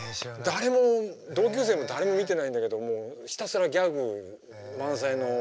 誰も同級生も誰も見てないんだけどもうひたすらギャグ満載のアニメが好きで。